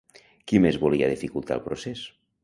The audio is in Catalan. Qui més volia dificultar el procés?